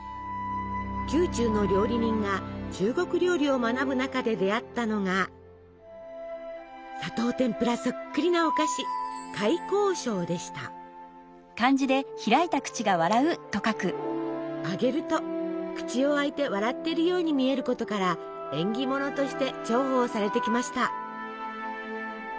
宮中の料理人が中国料理を学ぶ中で出会ったのが砂糖てんぷらそっくりなお菓子揚げると口を開いて笑ってるように見えることから縁起物として重宝されてきました。